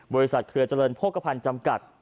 บริษัทเครือเจริญโภคกระพันธุ์จำกัด